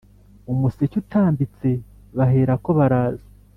Umuseke utambitse baherako baraza